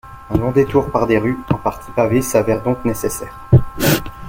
Un long détour par des rues, en partie pavées, s'avère donc nécessaire.